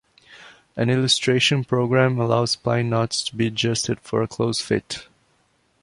An illustration program allows spline knots to be adjusted for a close fit.